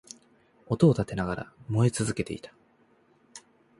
音を立てながら燃え続けていた